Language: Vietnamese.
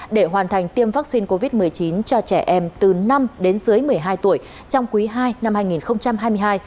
để hoàn thành tiêm vaccine covid một mươi chín cho trẻ em từ năm đến dưới một mươi hai tuổi trong quý ii năm hai nghìn hai mươi hai